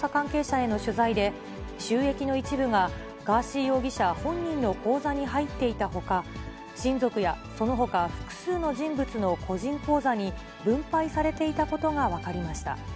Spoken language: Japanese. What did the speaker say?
その後の捜査関係者への取材で、収益の一部がガーシー容疑者本人の口座に入っていたほか、親族やそのほか複数の人物の個人口座に分配されていたことが分かりました。